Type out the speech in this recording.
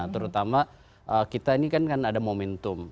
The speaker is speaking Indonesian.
terutama kita ini kan ada momentum